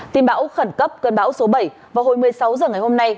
tin báo khẩn cấp cơn báo số bảy vào hồi một mươi sáu giờ ngày hôm nay